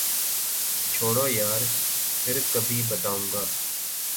چھوڑو یار ، پھر کبھی بتاؤں گا۔